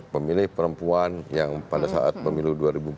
pemilih perempuan yang pada saat pemilu dua ribu empat belas